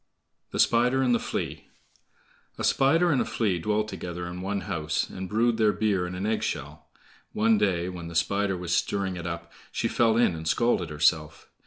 The Spider and the Flea A spider and a Flea dwelt together in one house, and brewed their beer in an egg shell. One day, when the Spider was stirring it up, she fell in and scalded herself.